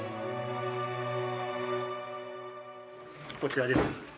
こちらです。